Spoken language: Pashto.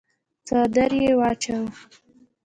څادر يې واچاوه.